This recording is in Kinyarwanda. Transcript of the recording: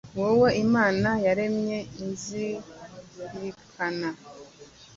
Wowe Imana yaremye inzirikana,